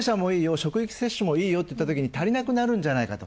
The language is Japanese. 職域接種もいいよといったときに足りなくなるんじゃないかと。